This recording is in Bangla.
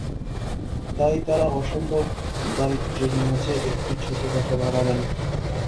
তাই তারা অসম্ভব দারিদ্র্যের মাঝে একটি ছোট বাসা ভাড়া নেন।